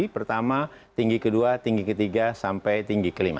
pertama tinggi ke dua tinggi ke tiga sampai tinggi ke lima